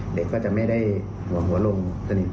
เด็กก็จะไม่ได้ห่วงหัวลงจนอีก